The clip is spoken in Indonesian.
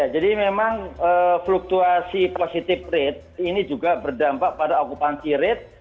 jadi memang fluktuasi positif rate ini juga berdampak pada akupansi rate